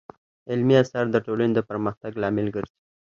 علمي اثار د ټولنې د پرمختګ لامل ګرځي.